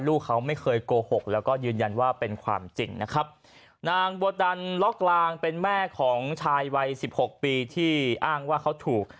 ลูกเขาไม่เคยโกหกแล้วก็ยืนยันว่าเป็นความจริงนะครับนางบัวดันล็อกลางเป็นแม่ของชายวัยสิบหกปีที่อ้างว่าเขาถูก